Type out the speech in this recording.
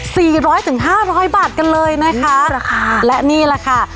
ร้อยถึงห้าร้อยบาทกันเลยนะคะราคาและนี่แหละค่ะ